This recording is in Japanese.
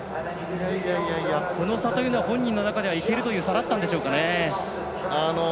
この差というのは本人の中ではいけるという差だったんですかね。